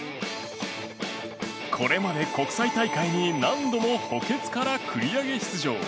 これまで国際大会に何度も補欠から繰り上げ出場。